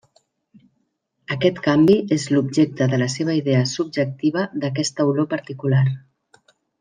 Aquest canvi és l'objecte de la seva idea subjectiva d'aquesta olor particular.